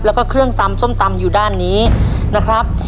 แล้วก็เครื่องตำส้มตำอยู่ด้านนี้นะครับ